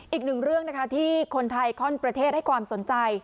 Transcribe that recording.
อีกหนึ่งเรื่องนะคะที่คนไทยข้อนประเทศให้ความสนใจ